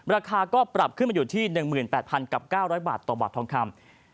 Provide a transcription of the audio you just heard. ราคาก็ปรับขึ้นมาอยู่ที่๑๘๐๐กับ๙๐๐บาทต่อบาททองคำ